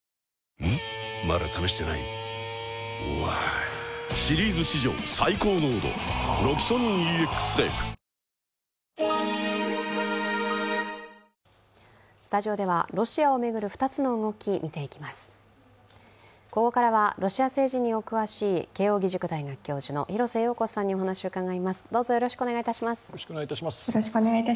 ここからはロシア政治にお詳しい慶応義塾大学教授の廣瀬陽子さんにお話を伺います。